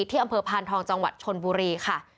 ที่อำเภอพานทองจังหวัดชนบุรีค่ะ